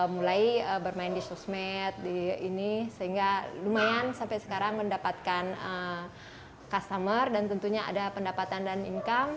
mulai bermain di sosmed ini sehingga lumayan sampai sekarang mendapatkan customer dan tentunya ada pendapatan dan income